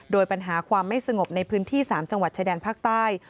โดยปัญหาความไม่สงบในพื้นที่๓จังหวัดชายแดนภาคใต้